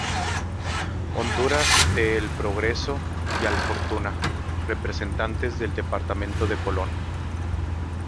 Honduras de El Progreso y al Fortuna; representante del Departamento de Colón.